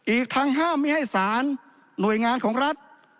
อีกทั้งห้ามไม่ให้สารหน่วยงานของรัฐ